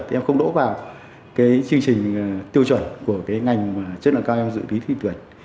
thì em không đỗ vào cái chương trình tiêu chuẩn của cái ngành chất lượng cao em dự tí thi tuyển